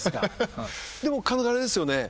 でもあれですよね